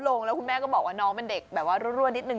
ลงแล้วคุณแม่ก็บอกว่าน้องเป็นเด็กแบบว่ารั่วนิดนึ